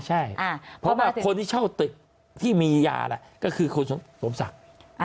ใช่เพราะว่าคนที่เช่าตึกที่มียาแหละก็คือคุณสมศักดิ์